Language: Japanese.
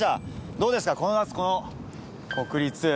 どうですかこの夏この国立。